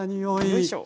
よいしょ。